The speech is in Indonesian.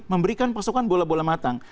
memberikan pasukan bola bola matang